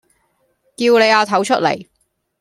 叫你阿頭出嚟